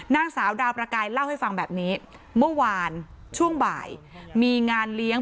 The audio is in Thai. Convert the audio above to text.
นางสาวดาวประกายเล่าให้ฟังแบบนี้เมื่อวานช่วงบ่ายมีงานเลี้ยง